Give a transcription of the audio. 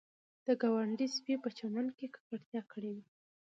د ګاونډي سپي په چمن کې ککړتیا کړې وي